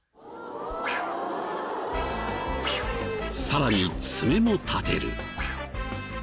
さらに爪も立てる。